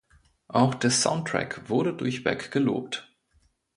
Auch der Soundtrack wurde durchweg gelobt.